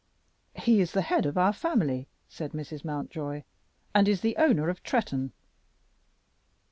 "He is the head of our family," said Mrs. Mountjoy, "and is the owner of Tretton."